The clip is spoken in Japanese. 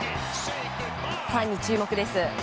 ファンに注目です。